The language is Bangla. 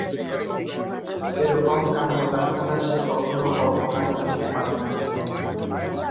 এরকম কাণ্ডকারখানা সে কখনও কল্পনায় আনিতে পারে নাই।